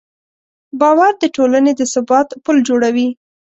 باور د ټولنې د ثبات پل جوړوي.